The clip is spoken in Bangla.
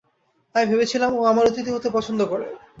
আমি ভেবেছিলাম ও আমার অতিথি হতে পছন্দ করে।